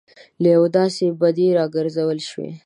له یوې داسې بدۍ راګرځول شوي.